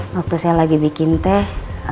waktu saya lagi bikin teh